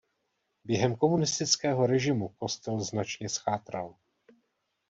Během komunistického režimu kostel značně zchátral.